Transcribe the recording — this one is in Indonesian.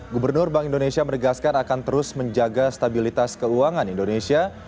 gubernur bank indonesia menegaskan akan terus menjaga stabilitas keuangan indonesia